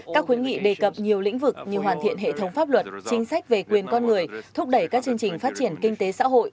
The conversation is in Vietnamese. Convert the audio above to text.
các khuyến nghị đề cập nhiều lĩnh vực như hoàn thiện hệ thống pháp luật chính sách về quyền con người thúc đẩy các chương trình phát triển kinh tế xã hội